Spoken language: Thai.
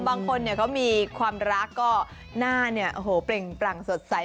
บางคนเขามีความรักก็หน้าเนี่ยโอ้โหเปล่งปรั่งสดใส